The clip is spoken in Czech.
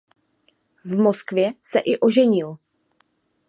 V Moskvě se i oženil.